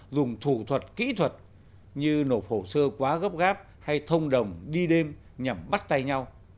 dùng thủ thuật kỹ thuật như nộp hồ sơ quá gấp gáp hay thông đồng đi đêm nhằm bắt tay nhau